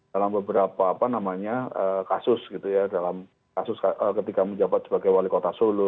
dalam beberapa kasus gitu ya dalam kasus ketika menjabat sebagai wali kota solo